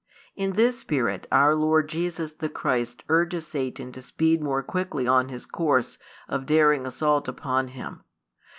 In this spirit our Lord Jesus the Christ urges Satan to speed more quickly on his course of daring assault upon Him.